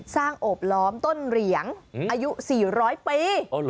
สร้างโอบร้อมต้นเหลียงอายุ๔๐๐ปี